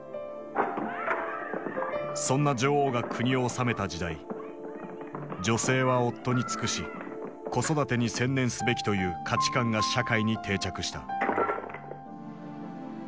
そんな女王が国を治めた時代女性は夫に尽くし子育てに専念すべきという価値観が社会に定着した。